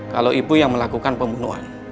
kalau ibu yang melakukan pembunuhan